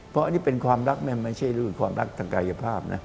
เพราะอันนี้เป็นความรักไม่ใช่เรื่องความรักทางกายภาพนะ